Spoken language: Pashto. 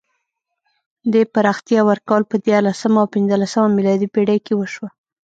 دې پراختیا ورکول په دیارلسمه او پنځلسمه میلادي پېړۍ کې وشوه.